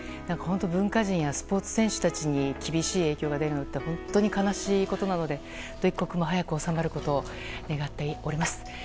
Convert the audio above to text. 文化人やスポーツ選手たちに厳しい影響が出るのって本当に悲しいことなので一刻も早く収まることを願っております。